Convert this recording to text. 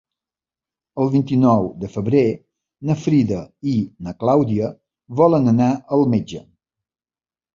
El vint-i-nou de febrer na Frida i na Clàudia volen anar al metge.